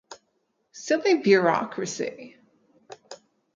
Silly bureaucracy